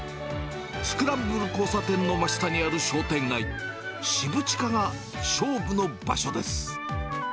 スクランブル交差点の真下にある商店街、しぶちかが勝負の場所です。